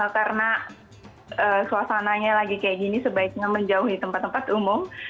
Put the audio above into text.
karena suasananya lagi kayak gini sebaiknya menjauh di tempat tempat umum